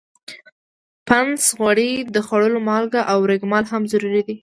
پنس، غوړي، د خوړلو مالګه او ریګ مال هم ضروري دي.